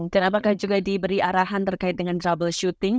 dan apakah juga diberi arahan terkait dengan troubleshooting